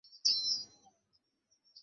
তোমার দোষে এই সমস্যা প্রস্ফুটিত হয়েছে।